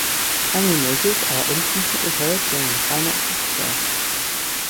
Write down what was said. Banging noises are intermittently heard during the climax of the show.